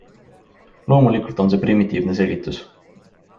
Loomulikult on see primitiivne selgitus.